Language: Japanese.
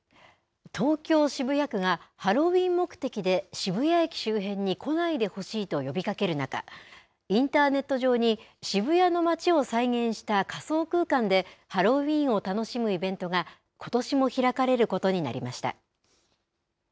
東京・渋谷区が、ハロウィーン目的で渋谷駅周辺に来ないでほしいと呼びかける中、インターネット上に渋谷の街を再現した仮想空間で、ハロウィーンを楽しむイベントが、ことしも開かれることになりました。